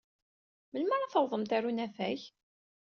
Melmi ara tawḍemt ɣer unafag?